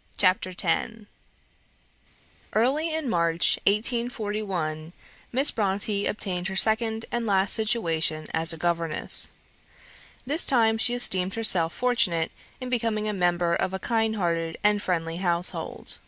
'" CHAPTER X Early in March, 1841, Miss Bronte obtained her second and last situation as a governess. This time she esteemed herself fortunate in becoming a member of a kind hearted and friendly household.